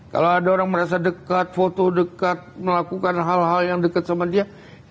kalau ada orang merasa deket foto deket melakukan hal hal yang deket sama dia